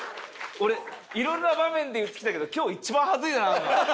俺いろんな場面で言ってきたけど今日一番恥ずいななんか。